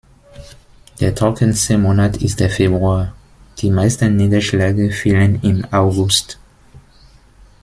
Der trockenste Monat ist der Februar, die meisten Niederschläge fielen im August.